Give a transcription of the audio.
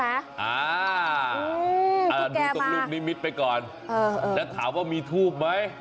อ่าดูตรงลูกนิมิตไปก่อนแล้วถามว่ามีทูบไหม